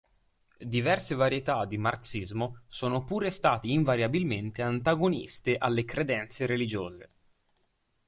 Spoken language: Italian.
Diverse varietà di marxismo sono pure state invariabilmente antagoniste alle credenze religiose.